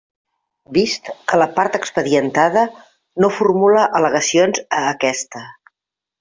Vist que la part expedientada no formula al·legacions a aquesta.